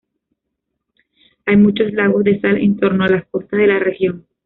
Hay muchos lagos de sal en torno a las costas de la región.